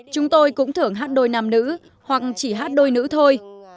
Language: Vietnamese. chúng tôi cũng thường hát đôi nam nữ hoặc chỉ hát đôi nữ thôi